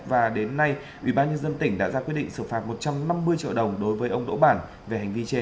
và đến nay ủy ban nhân dân tỉnh đã ra quyết định sửa phạt một trăm năm mươi triệu đồng đối với ông đỗ bản về hành vi trên